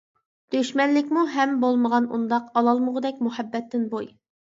دۈشمەنلىكمۇ ھەم بولمىغان ئۇنداق، ئالالمىغۇدەك مۇھەببەتتىن بۇي.